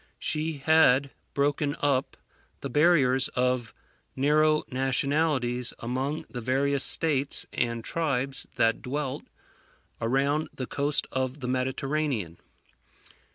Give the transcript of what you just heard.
She had broken up the barriers of narrow nationalities among the various states and tribes that dwelt around the coast of the Mediterranean.